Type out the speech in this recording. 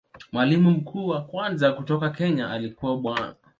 Mwalimu mkuu wa kwanza kutoka Kenya alikuwa Bwana.